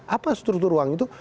apa struktur ruang itu